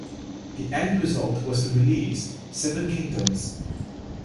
The end result was the release "Seven Kingdoms".